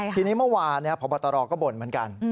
ทีนี้เมื่อวานพบตรก็บ่นเหมือนกัน